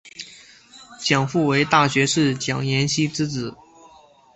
蒋溥为大学士蒋廷锡之子。